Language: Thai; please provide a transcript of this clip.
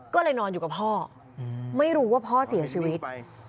ก็เลยนอนอยู่กับพ่อไม่รู้ว่าพ่อเสียชีวิต